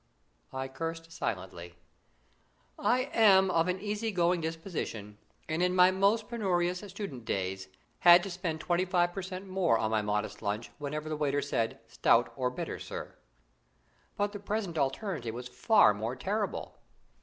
I cursed silently. I am of an easy going disposition, and in my most penurious student days, had to spend twenty five per cent more on my modest lunch whenever the waiter said: "Stout or bitter, sir?" But the present alternative was far more terrible.